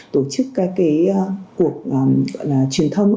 tổ chức các cuộc truyền thông